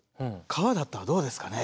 川だったらどうですかね。